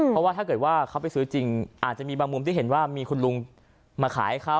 เพราะว่าถ้าเกิดว่าเขาไปซื้อจริงอาจจะมีบางมุมที่เห็นว่ามีคุณลุงมาขายให้เขา